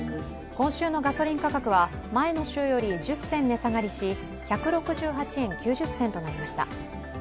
今週のガソリン価格は前の週より１０銭値下がりし１６８円９０銭となりました。